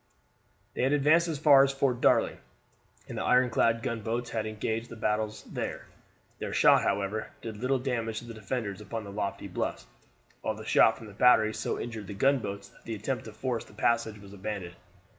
They had advanced as far as Fort Darling and the ironclad gunboats had engaged the batteries there. Their shot, however, did little damage to the defenders upon the lofty bluffs, while the shot from the batteries so injured the gunboats that the attempt to force the passage was abandoned.